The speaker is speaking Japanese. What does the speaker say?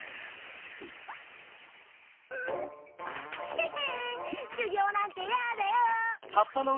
ヘヘンしゅぎょうなんてやだよ！